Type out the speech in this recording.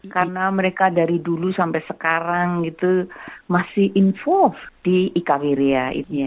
karena mereka dari dulu sampai sekarang itu masih involved di ika wirja